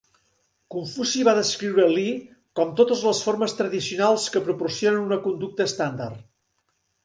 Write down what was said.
Confuci va descriure "Li" com totes les formes tradicionals que proporcionen una conducta estàndard.